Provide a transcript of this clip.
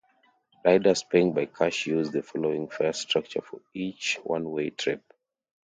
Riders paying by cash use the following fare structure for each one-way trip.